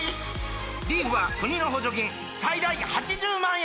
リーフは国の補助金最大８０万円！